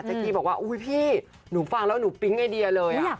กี้บอกว่าอุ๊ยพี่หนูฟังแล้วหนูปิ๊งไอเดียเลย